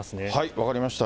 分かりました。